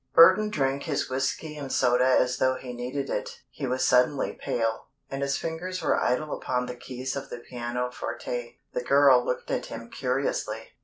Burton drank his whiskey and soda as though he needed it. He was suddenly pale, and his fingers were idle upon the keys of the pianoforte. The girl looked at him curiously.